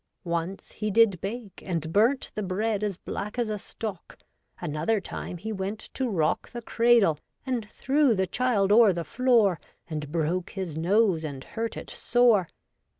Once he did bake. And burnt the bread as black as a stock. Another time he went to rock The cradle, and threw the child o' the floor. And broke his nose, and hurt it sore.